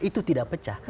itu tidak pecah